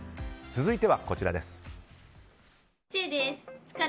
続いてはこちらです。